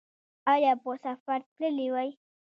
ایا په سفر تللي وئ؟